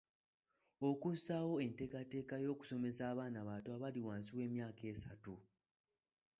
Okussaawo enteekateeka y’okusomesa abaana abato abali wansi w’emyaka esatu.